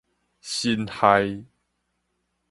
辛亥